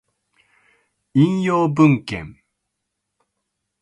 引用文献